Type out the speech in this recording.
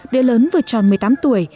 đứa lớn vừa tròn một mươi tám tuổi